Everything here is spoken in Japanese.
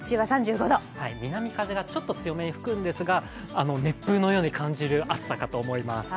南風がちょっと強めに吹くんですが熱風のように感じる暑さかと思います。